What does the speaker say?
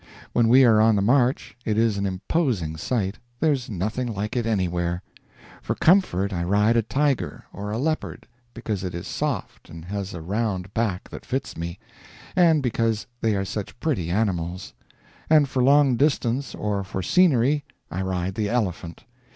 When we are on the march, it is an imposing sight there's nothing like it anywhere. For comfort I ride a tiger or a leopard, because it is soft and has a round back that fits me, and because they are such pretty animals; but for long distance or for scenery I ride the elephant.